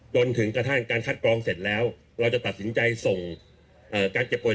จนกระทั่งการคัดกรองเสร็จแล้วเราจะตัดสินใจส่งการเจ็บป่วย